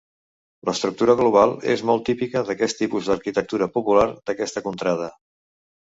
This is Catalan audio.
L'estructura global és molt típica d'aquest tipus d'arquitectura popular d'aquesta contrada.